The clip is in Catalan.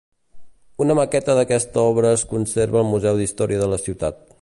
Una maqueta d'aquesta obra es conserva al Museu d'Història de la Ciutat.